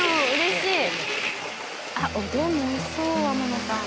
おでんもおいしそう天野さん。